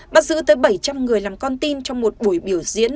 bắt giữ tới bảy trăm linh người làm con tin trong một buổi biểu diễn